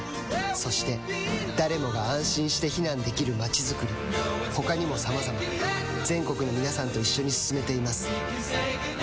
そして誰もが安心して避難できる街づくり他にもさまざま全国の皆さんと一緒に進めています